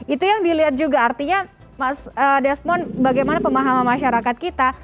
itu yang dilihat juga artinya mas desmond bagaimana pemahaman masyarakat kita